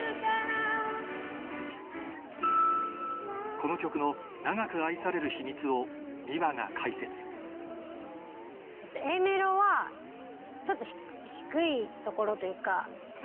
この曲の長く愛される秘密をｍｉｗａが解説Ａメロはちょっと低い所というか。